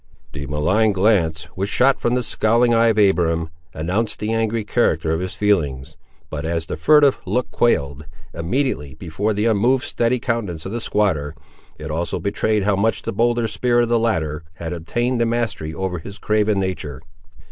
The malign glance, which shot from the scowling eye of Abiram, announced the angry character of his feelings, but as the furtive look quailed, immediately, before the unmoved, steady, countenance of the squatter, it also betrayed how much the bolder spirit of the latter had obtained the mastery over his craven nature.